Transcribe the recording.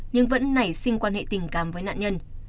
nhưng vẫn nảy sinh quan hệ tình cảm với nạn nhân